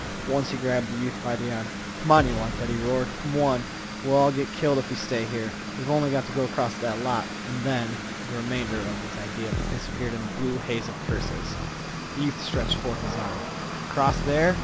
Once he grabbed the youth by the arm. "Come on, yeh lunkhead!" he roared. "Come on! We'll all git killed if we stay here. We've on'y got t' go across that lot. An' then"—the remainder of his idea disappeared in a blue haze of curses. The youth stretched forth his arm. "Cross there?"